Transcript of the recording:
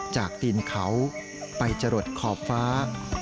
จากดินเขาไปจรดขอบฟ้า